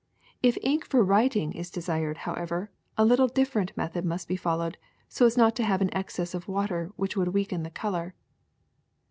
If ink for writing is desired, however, a little differ ent method must be followed so as not to have an excess of water, which would weaken the color.